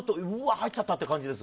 入っちゃったって感じです？